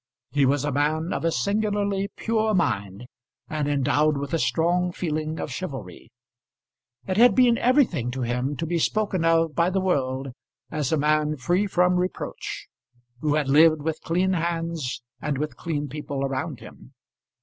He was a man of a singularly pure mind, and endowed with a strong feeling of chivalry. It had been everything to him to be spoken of by the world as a man free from reproach, who had lived with clean hands and with clean people around him.